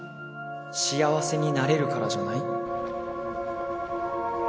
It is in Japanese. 幸せになれるからじゃない？